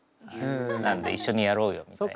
なんで一緒にやろうよみたいな。